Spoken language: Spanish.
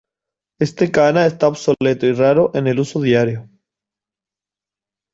Este kana está obsoleto y raro en el uso diario.